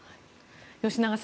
吉永さん